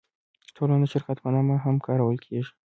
ټولنه د شرکت په مانا هم کارول کېږي.